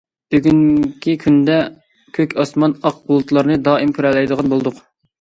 بۈگۈنكى كۈندە، كۆك ئاسمان، ئاق بۇلۇتلارنى دائىم كۆرەلەيدىغان بولدۇق.